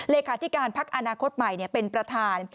เลขาธิการพักอนาคตใหม่เป็นประธาน